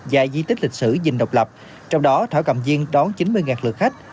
và di tích lịch sử vinh độc lập trong đó thảo cầm chiên đón chín mươi lượt khách